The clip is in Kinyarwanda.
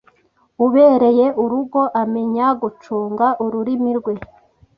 ubereye urugo amenya gucunga ururimi rwe,